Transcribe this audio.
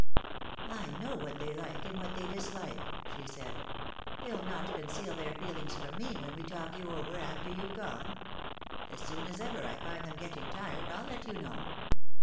"I know what they like and what they dislike," she said. "They'll not conceal their feelings from me when we talk you over after you've gone. As soon as ever I find them getting tired I'll let you know."